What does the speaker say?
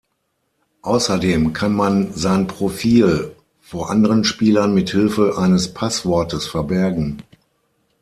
Außerdem kann man sein Profil vor anderen Spielern mithilfe eines Passwortes verbergen.